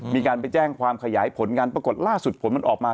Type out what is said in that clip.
มีการไปแจ้งความขยายผลกันปรากฏล่าสุดผลมันออกมา